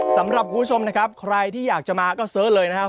สำหรับคุณผู้ชมนะครับใครที่อยากจะมาก็เสิร์ชเลยนะครับ